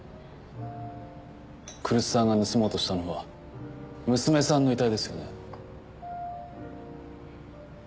来栖さんが盗もうとしたのは娘さんの遺体ですよね？